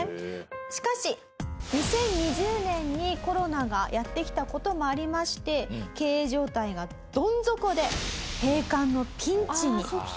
しかし２０２０年にコロナがやって来た事もありまして経営状態がどん底で閉館のピンチに。